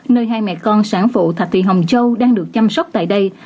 nơi hai mẹ con sản phụ thạch thị hồng châu đang được chăm sóc tại đây